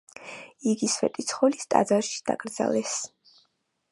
იგი სვეტიცხოვლის ტაძარში დაკრძალეს.